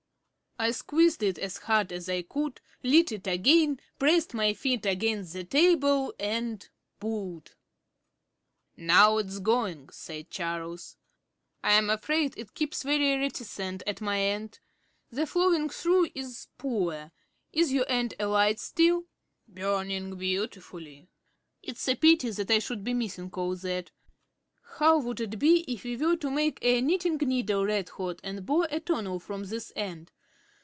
I squeezed it as hard as I could, lit it again, pressed my feet against the table and pulled. "Now it's going," said Charles. "I'm afraid it keeps very reticent at my end. The follow through is poor. Is your end alight still?" "Burning beautifully." "It's a pity that I should be missing all that. How would it be if we were to make a knitting needle red hot and bore a tunnel from this end?